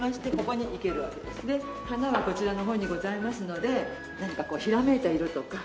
花はこちらの方にございますので何かこうひらめいた色とか。